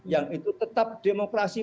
yang itu tetap demokrasi